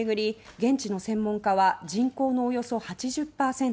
現地の専門家は人口のおよそ８０％